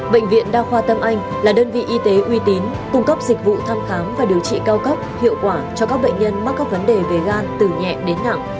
bệnh viện đa khoa tâm anh là đơn vị y tế uy tín cung cấp dịch vụ thăm khám và điều trị cao cấp hiệu quả cho các bệnh nhân mắc các vấn đề về gan từ nhẹ đến nặng